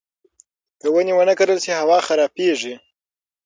که ونې ونه کرل شي، هوا خرابېږي.